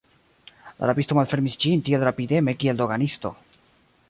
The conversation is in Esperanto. La rabisto malfermis ĝin tiel rapideme, kiel doganisto.